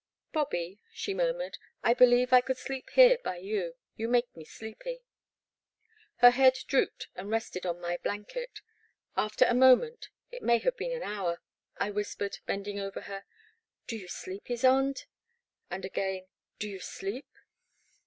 *' Bobby," she murmured, I believe I could sleep here by you — ^you make me sleepy." Her head drooped and rested on my blanket. After a moment — it may have been an hour — I whispered, bending above her :Do you sleep, Ysonde ?" and again, do you sleep